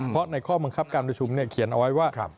เพราะในข้อบังคับการประชุมเขียนเอาไว้ว่า